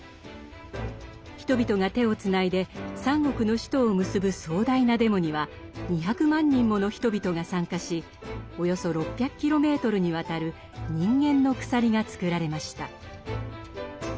人々が手をつないで三国の首都を結ぶ壮大なデモには２００万人もの人々が参加しおよそ６００キロメートルにわたる人間の鎖が作られました。